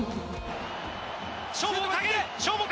勝負をかける！